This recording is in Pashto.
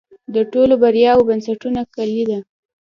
د ټولو بریاوو بنسټیزه کلي ده.